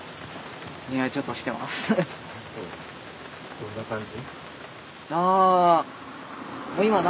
どんな感じ？